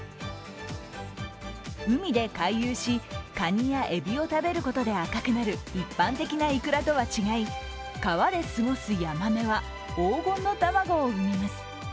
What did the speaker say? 海で回遊し、かにやえびを食べることで赤くなる一般的なイクラとは違い、川で過ごすヤマメは黄金の卵を産みます。